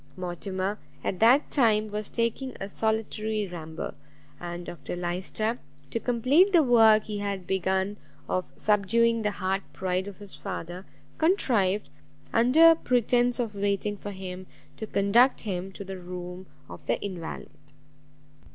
Mortimer, at that time, was taking a solitary ramble; and Dr Lyster, to complete the work he had begun of subduing the hard pride of his father, contrived, under pretence of waiting for him, to conduct him to the room of the invalide.